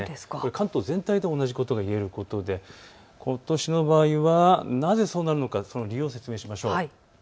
関東全体で同じことがいえ、ことしの場合はなぜそうなるのかその理由を説明しましょう。